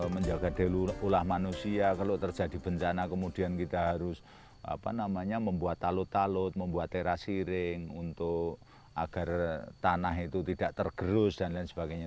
menjaga delu ulah manusia kalau terjadi bencana kemudian kita harus membuat talut talut membuat terasiring untuk agar tanah itu tidak tergerus dan lain sebagainya